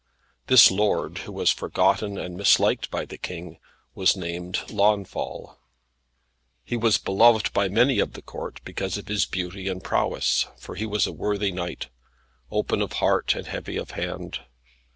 This lord, who was forgotten and misliked of the King, was named Launfal. He was beloved by many of the Court, because of his beauty and prowess, for he was a worthy knight, open of heart and heavy of hand.